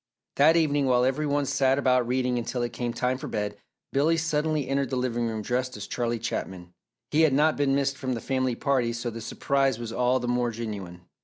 That evening while every one sat about reading until it came time for bed, Billy suddenly entered the living room dressed as Charlie Chaplin. He had not been missed from the family party so the surprise was all the more genuine.